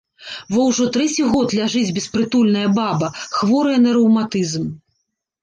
Во ўжо трэці год ляжыць беспрытульная баба, хворая на рэўматызм.